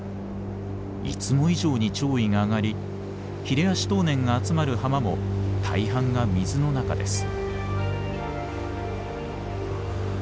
いつも以上に潮位が上がりヒレアシトウネンが集まる浜も大半が水の中です。